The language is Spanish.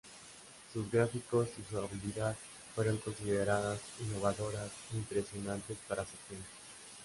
Sus gráficos y jugabilidad fueron consideradas innovadoras e impresionantes para su tiempo.